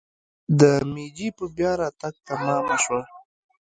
د میجي په بیا راتګ تمامه شوه.